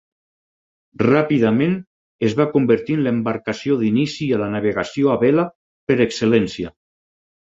Ràpidament es va convertir en l'embarcació d'inici a la navegació a vela, per excel·lència.